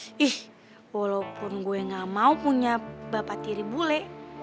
ih walaupun gue gak mau punya bapak tiri bule